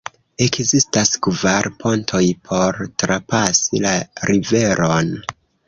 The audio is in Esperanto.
Ekzistas kvar pontoj por trapasi la riveron.